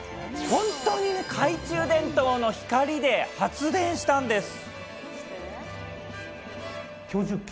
本当に懐中電灯の光で発電したんです。